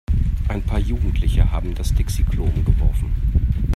Ein paar Jugendliche haben das Dixi-Klo umgeworfen.